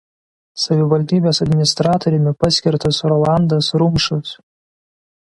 Savivaldybės administratoriumi paskirtas Rolandas Rumšas.